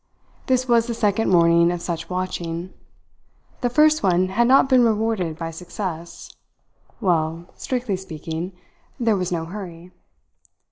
This was the second morning of such watching. The first one had not been rewarded by success. Well, strictly speaking, there was no hurry.